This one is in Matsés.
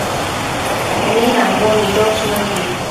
midambo nidosh nëbi